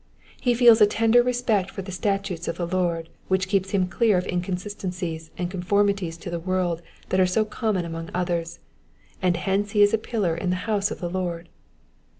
He feels a tender respect for the statutes of the Lord, which keeps him clear of inconsistencies and conformities to the world that are so com mon among others, and hence he is a pillar in the house of the Lord.